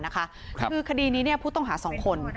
คือคดีนี้ผู้ต้องหา๒คน